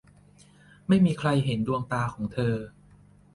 ไม่มีใครเห็นดวงตาของเธอ